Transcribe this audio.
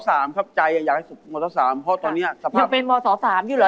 แกก็กดใจอะอยากให้ม๓เพราะว่าโคตรนี้ยังเป็นลูกม๓อยู่เหรอ